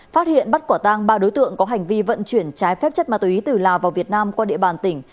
phát hiện bắt quả tang ba đối tượng có hành vi vận chuyển trái phép chất ma túy từ lào vào việt nam qua địa bàn tỉnh